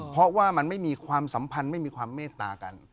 เพราะว่ามันไม่มีความสัมพันธ์ไม่มีความเมตตากัน